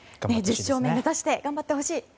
１０勝目を目指して頑張ってほしい！